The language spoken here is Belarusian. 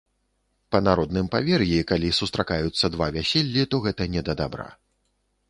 Па народным павер'і, калі сустракаюцца два вяселлі, то гэта не да дабра.